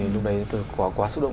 lúc đấy tôi quá xúc động